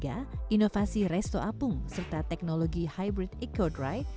tahun dua ribu dua puluh tiga inovasi resto apung serta teknologi hybrid eco dry